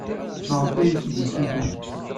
Maɣef ay t-id-yessuter?